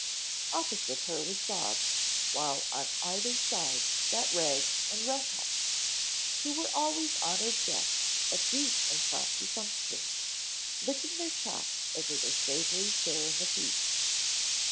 Opposite her was Bob, while on either side sat Rags and Rough House, who were always honored guests at these impromptu functions, licking their chops over their savory share in the feast.